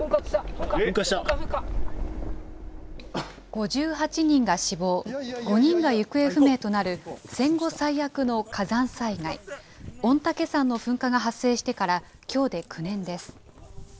噴火、５８人が死亡、５人が行方不明となる、戦後最悪の火山災害、御嶽山の噴火が発生してからきょうで９年です。